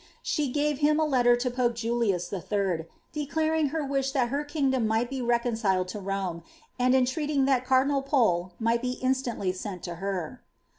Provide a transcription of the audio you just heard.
She gave him a letter to pope Julius 111., declaring her wish that her kingdom might be reconciled to Rome, and entreating that cardinal Pole might be instantly sent to her.